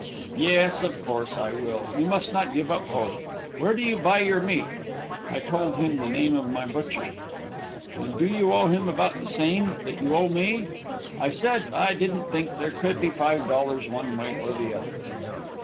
"Yes, of course I will. You must not give up hope. Where do you buy your meat?" I told him the name of my butcher. "And do you owe him about the same that you do me?" I said I didn't think there could be $5 one way or the other.